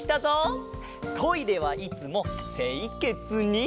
トイレはいつもせいけつに！